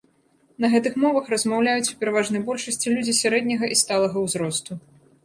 На гэтых мовах размаўляюць у пераважнай большасці людзі сярэдняга і сталага ўзросту.